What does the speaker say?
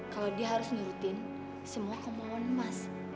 kalau dia harus nurutin semua kemauan emas